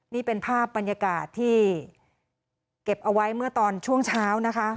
นี่เป็นภาพบรรยากาศที่เก็บเอาไว้เมื่อตอนช่วงเช้านะคะ